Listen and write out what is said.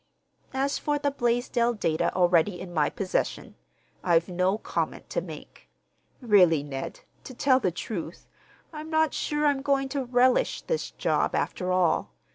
As for the Blaisdell data already in my possession—I've no comment to make. Really, Ned, to tell the truth, I'm not sure I'm going to relish this job, after all.